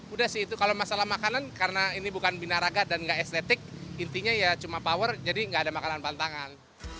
udah sih itu kalau masalah makanan karena ini bukan binaraga dan gak estetik intinya ya cuma power jadi nggak ada makanan pantangan